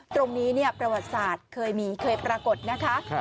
ตรงนี้ประวัติศาสตร์เคยมีเคยปรากฏนะคะ